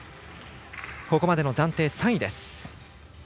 ここまでの暫定３位です。